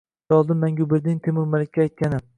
Jaloliddin Manguberdining Temur Malikka aytgani.